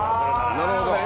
なるほど。